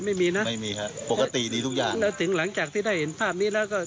ไม่มีนะไม่มีฮะปกติดีทุกอย่างแล้วถึงหลังจากที่ได้เห็นภาพนี้แล้วก็